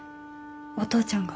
お父ちゃんが。